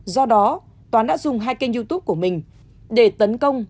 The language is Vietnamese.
do đó toán đã dùng hai kênh youtube của mình để tấn công